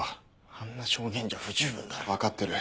あんな証言じゃ不十分だ。分かってる。